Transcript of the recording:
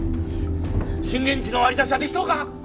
震源地の割り出しはできそうか！？